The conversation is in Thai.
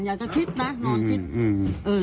อยากจะคิดนะนอนคิด